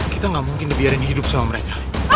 kita gak mungkin ngebiarin hidup sama mereka